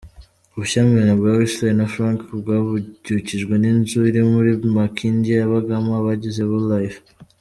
Ubushyamirane bwa Weasel na Frank bwabyukijwe n’inzu iri muri Makindye yabagamo abagize Goodlyfe.